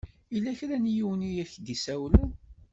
Yella kra n yiwen i ak-d-isawlen.